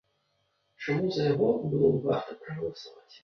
Чаму за яго было б варта прагаласаваць.